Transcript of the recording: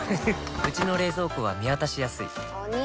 うちの冷蔵庫は見渡しやすいお兄！